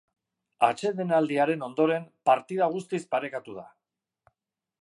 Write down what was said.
Atsedenaldiaren ondoren, partida guztiz parekatu da.